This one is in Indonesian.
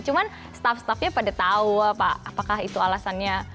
cuman staff staffnya pada tau apa apakah itu alasannya